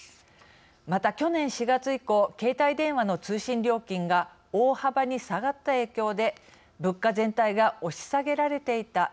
また去年４月以降携帯電話の通信料金が大幅に下がった影響で物価全体が押し下げられていた。